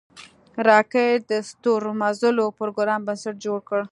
راکټ د ستورمزلو پروګرام بنسټ جوړ کړ